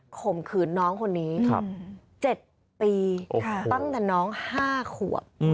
ข่มขืนน้องคนนี้๗ปีตั้งแต่น้อง๕ขวบ